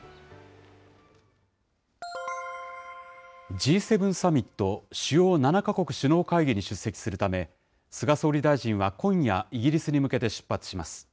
Ｇ７サミット・主要７か国首脳会議に出席するため、菅総理大臣は今夜、イギリスに向けて出発します。